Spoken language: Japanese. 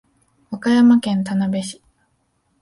和歌山県田辺市